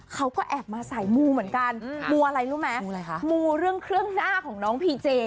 เขาก็แอบมาสายมูเหมือนกันมูอะไรรู้ไหมมูเรื่องเครื่องหน้าของน้องพีเจ